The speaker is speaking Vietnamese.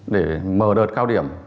để mờ đợt cao điểm